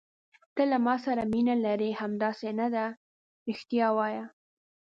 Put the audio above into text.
ته له ما سره مینه لرې، همداسې نه ده؟ رښتیا وایه.